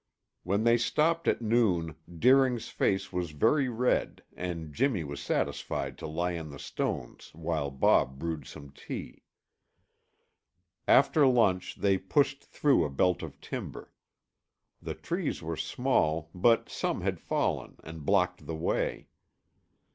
When they stopped at noon Deering's face was very red and Jimmy was satisfied to lie in the stones while Bob brewed some tea. After lunch they pushed through a belt of timber. The trees were small, but some had fallen and blocked the way.